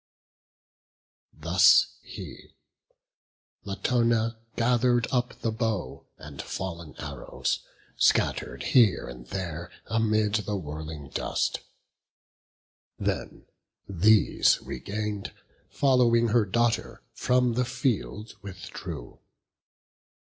Thus he: Latona gather'd up the bow, And fallen arrows, scatter'd here and there Amid the whirling dust; then, these regain'd, Following her daughter, from the field withdrew.